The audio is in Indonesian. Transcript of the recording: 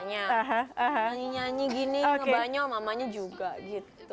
nyanyi nyanyi gini ngebanyol mamanya juga gitu